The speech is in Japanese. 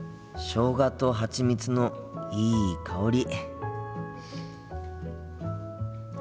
しょうがとハチミツのいい香り。